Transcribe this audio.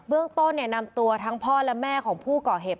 เรื่องต้นนำตัวทั้งพ่อและแม่ของผู้ก่อเหตุ